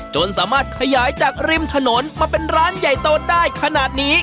จนสามารถขยายจากริมถนนมาเป็นร้านใหญ่โตได้ขนาดนี้